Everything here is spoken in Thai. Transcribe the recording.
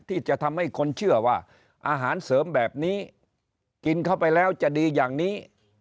ที่จะทำให้คนเชื่อว่าอาหารเสริมแบบนี้กินเข้าไปแล้วจะดีอย่างนี้